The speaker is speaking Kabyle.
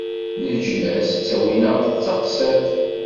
Leǧnas ttawin-aɣ-d d taqṣiḍt.